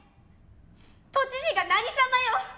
都知事が何様よ！